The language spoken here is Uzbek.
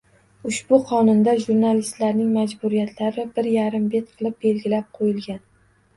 Ushbu qonunda jurnalistlarning majburiyatlari bir yarim bet qilib belgilab qo‘yilgan.